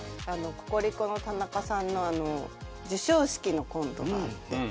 ココリコの田中さんの授賞式のコントがあって。